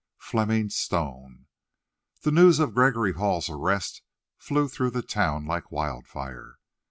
XX. FLEMING STONE The news of Gregory Hall's arrest flew through the town like wildfire.